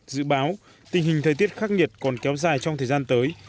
dự báo tình hình thời tiết khắc nghiệt còn kéo dài trong thời gian tới